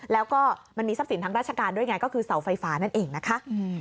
แล้วก็มันมีทรัพย์สินทางราชการด้วยไงก็คือเสาไฟฟ้านั่นเองนะคะ